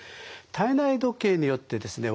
体内時計によってですね